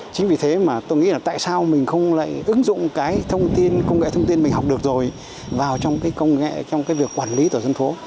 chính vì thế mà tôi nghĩ là tại sao mình không lại ứng dụng cái thông tin công nghệ thông tin mình học được rồi vào trong cái công nghệ trong cái việc quản lý tổ dân phố